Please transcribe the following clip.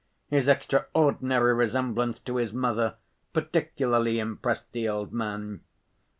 His extraordinary resemblance to his mother particularly impressed the old man.